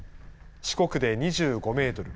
四国で２５メートル